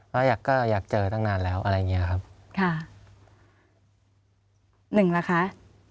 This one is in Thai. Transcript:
ก็อยากก็อยากเจอตั้งนานแล้วอะไรอย่างเงี้ยครับค่ะหนึ่งล่ะคะ